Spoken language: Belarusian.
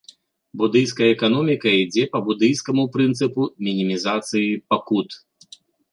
Будыйская эканоміка ідзе па будыйскаму прынцыпу мінімізацыі пакут.